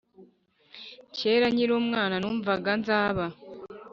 Kera nkiri umwana numvaga nzaba